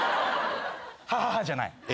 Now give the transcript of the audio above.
「ハハハ」じゃない。